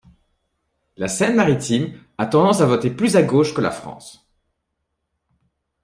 La Seine-Maritime a tendance à voter plus à gauche que la France.